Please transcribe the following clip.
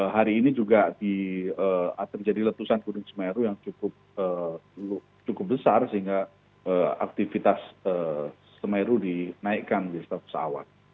hari ini juga terjadi letusan gunung semeru yang cukup besar sehingga aktivitas semeru dinaikkan di setiap pesawat